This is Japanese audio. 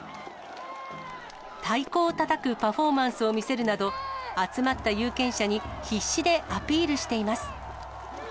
太鼓をたたくパフォーマンスを見せるなど、集まった有権者に必死でアピールしています。